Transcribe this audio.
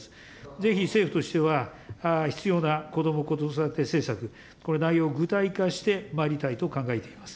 ぜひ政府としては、必要なこども・子育て政策、これ、内容具体化してまいりたいと考えています。